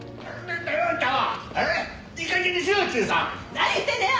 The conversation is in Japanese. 何言ってんだよ！